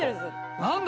何だ？